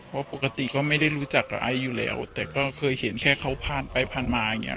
เพราะปกติก็ไม่ได้รู้จักกับไอซ์อยู่แล้วแต่ก็เคยเห็นแค่เขาผ่านไปผ่านมาอย่างเงี้